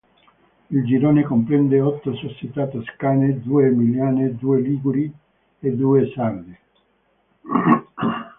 Il girone comprende otto società toscane, due emiliane, due liguri e due sarde.